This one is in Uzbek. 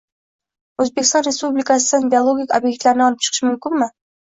O’zbekiston Respublikasidan biologik ob’ektlarni olib chiqish mumkinmi?